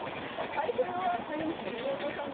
あれこれはあれですか妹さんの。